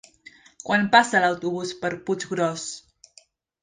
Quan passa l'autobús per Puiggròs?